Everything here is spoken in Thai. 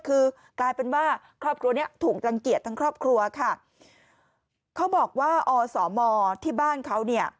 คือกลายเป็นว่าครอบครัวเนี้ยถูกรังเกียจทั้งครอบครัวค่ะเขาบอกว่าอสมที่บ้านเขาเนี่ย